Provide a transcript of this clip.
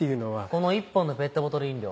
この一本のペットボトル飲料。